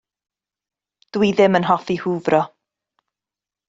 Dw i ddim yn hoffi hwfro.